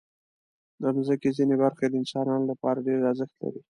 د مځکې ځینې برخې د انسانانو لپاره ډېر ارزښت لري.